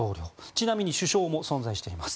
ちなみに首相も存在しています。